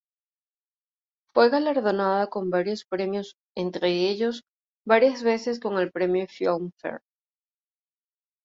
Fue galardonada con varios premios entre ellos, varias veces con el Premio Filmfare.